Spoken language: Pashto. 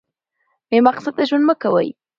بې مقصده ژوند مه کوئ.